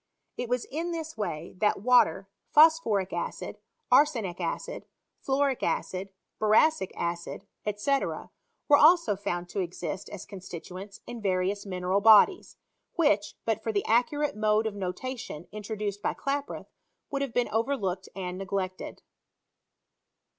It was in this way that water, phosphoric acid, arsenic acid, fluoric acid, boracic acid, &c., were also found to exist as constituents in various mineral bodies, which, but for the accurate mode of notation introduced by Klaproth, wouldhavebeen overlooked and neglected.